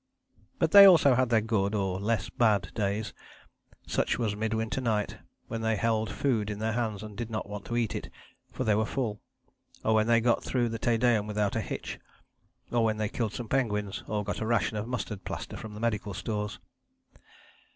But they also had their good, or less bad, days: such was mid winter night when they held food in their hands and did not want to eat it, for they were full: or when they got through the Te Deum without a hitch: or when they killed some penguins; or got a ration of mustard plaster from the medical stores.